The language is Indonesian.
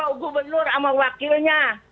bapak gubernur sama wakilnya